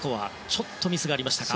ちょっとミスがありました。